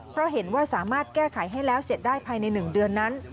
เพราะเห็นว่าสามารถแก้ไขให้แล้วเสร็จได้ภายใน๑เดือนนั้น